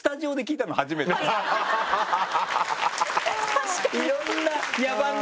確かに。